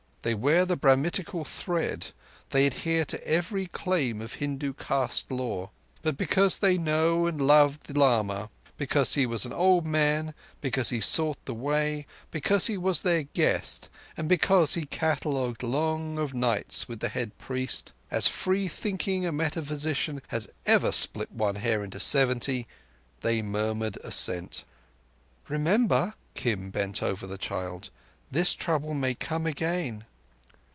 They wear the Brahminical thread; they adhere to every claim of Hindu caste law. But, because they knew and loved the lama, because he was an old man, because he sought the Way, because he was their guest, and because he collogued long of nights with the head priest—as free thinking a metaphysician as ever split one hair into seventy—they murmured assent. "Remember,"—Kim bent over the child—. "this trouble may come again."